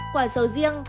quả sầu riêng